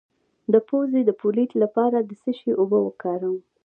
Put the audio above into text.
د پوزې د پولیت لپاره د څه شي اوبه وکاروم؟